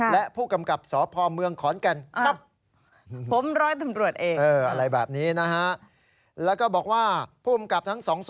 และผู้กำกับสพเมืองขอนแก่น